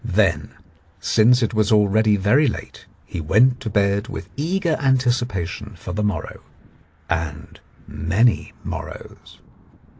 Then, since it was already very late, he went to bed with eager anticipation for the morrow and many morrows.